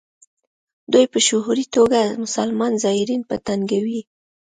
دوی په شعوري توګه مسلمان زایرین په تنګوي.